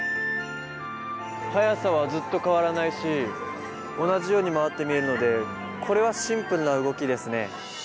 速さはずっと変わらないし同じように回って見えるのでこれはシンプルな動きですね。